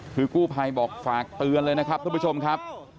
คือกู้ภัยบอกฝากเตือนเลยนะครับทุกผู้ชมครับ